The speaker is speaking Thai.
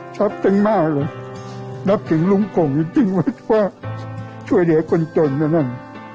ขอบคุณมากเลยรับถึงรุ่งกงจริงว่าช่วยเดี๋ยวคนจนนะนั่ง